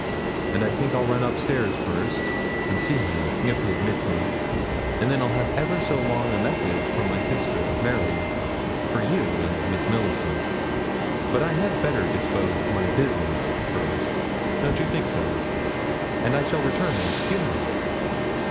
'And I think I'll run up stairs first, and see him, if he admits me, and then I have ever so long a message from my sister, Mary, for you and Miss Millicent; but I had better dispose of my business first don't you think so? and I shall return in a few minutes.'